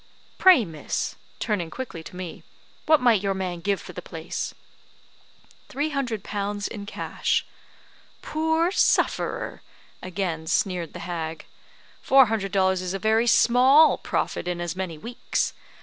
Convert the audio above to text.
Pray, miss," turning quickly to me, "what might your man give for the place?" "Three hundred pounds in cash." "Poor sufferer!" again sneered the hag. "Four hundred dollars is a very small profit in as many weeks.